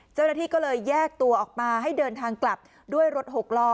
เจ้าหน้าที่ก็เลยแยกตัวออกมาให้เดินทางกลับด้วยรถหกล้อ